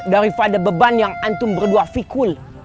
daripada beban yang antum berdua fikul